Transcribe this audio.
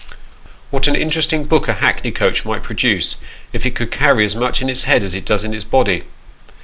What an interesting book a hackney coach might produce, if it could carry as much in its head as it does in its body